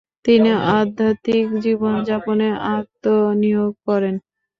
তিনি আধ্যাত্মিক জীবন যাপনে আত্ম নিয়োগ করেন।